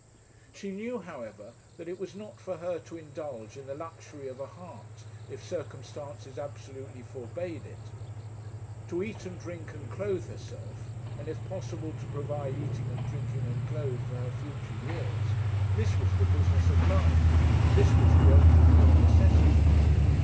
She knew, however, that it was not for her to indulge in the luxury of a heart, if circumstances absolutely forbade it. To eat and drink and clothe herself, and, if possible, to provide eating and drinking and clothes for her future years, this was the business of life, this was the only real necessity.